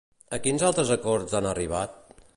A quins altres acords han arribat?